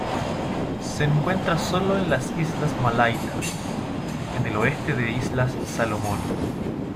Se encuentra solo en las islas Malaita, en el oeste de islas Salomón.